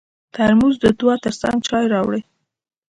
ترموز د دعا تر څنګ چای راوړي.